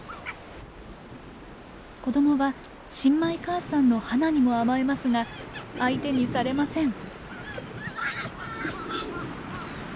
子どもは新米母さんのハナにも甘えますが相手にされません。